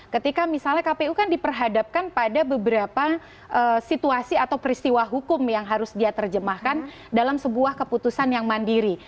ketika misalnya kpu kan diperhadapkan pada beberapa situasi atau peristiwa hukum yang harus dia terjemahkan dalam sebuah keputusan yang mandiri